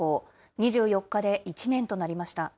２４日で１年となりました。